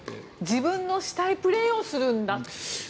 自分のしたいプレーをすればいいんだと。